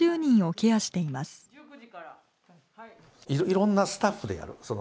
いろんなスタッフでやる。